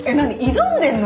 挑んでんの？